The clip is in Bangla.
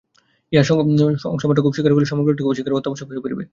ইহার অংশমাত্রকেও স্বীকার করিলে সমগ্রটিকেও স্বীকার করা অত্যাবশ্যক হইয়া পড়িবে।